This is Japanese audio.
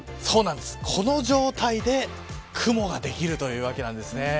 この状態で雲ができるというわけなんです。